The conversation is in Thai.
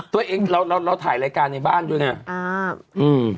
ตัวเองเราเราถ่ายรายการในบ้านด้วยไง